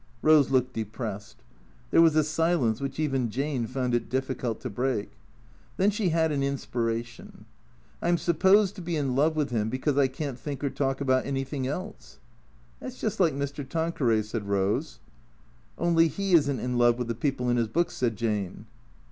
Rose looked depressed. There was a silence which even Jane found it difficult to break. Then she had an inspiration. " I 'm supposed to be in love with him because I can't think or talk about anything else." " That 's just like Mr. Tanqueray," said Rose. " Only he is n't in love with the people in his books," said Jane.